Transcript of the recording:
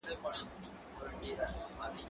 زه به سبا د کتابتون پاکوالی کوم،